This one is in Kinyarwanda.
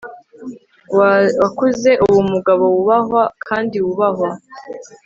wakuze uba umugabo wubahwa kandi wubahwa